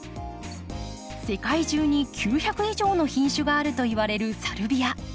世界中に９００以上の品種があるといわれるサルビア。